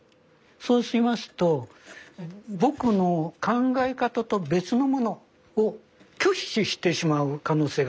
そうしますと僕の考え方と別のものを拒否してしまう可能性がある。